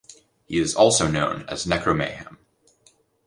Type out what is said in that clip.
He is also known as Necromayhem.